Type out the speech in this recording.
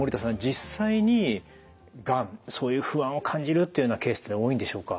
実際にがんそういう不安を感じるというようなケースって多いんでしょうか？